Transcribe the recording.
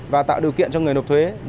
và tạo điều kiện cho người nộp thuế